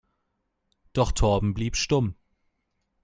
Doch Torben blieb stumm.